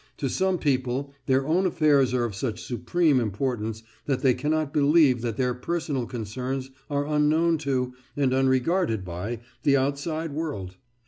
To some people their own affairs are of such supreme importance that they cannot believe that their personal concerns are unknown to, and unregarded by, the outside world.